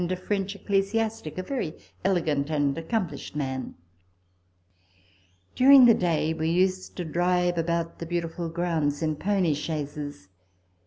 i68 RECOLLECTIONS OF THE a French ecclesiastic, a very elegant and accom plished man. During the day we used to drive about the beautiful grounds in pony chaises.